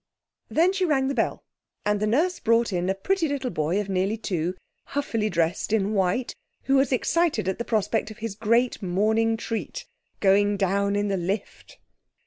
Then she rang the bell, and the nurse brought in a pretty little boy of nearly two, Huffily dressed in white, who was excited at the prospect of his great morning treat going down in the lift.